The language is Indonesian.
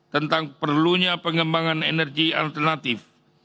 tentang perlunya pengembangan energi alternatif